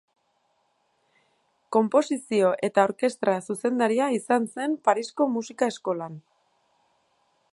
Konposizio eta orkestra-zuzendaria izan zen Parisko Musika Eskolan.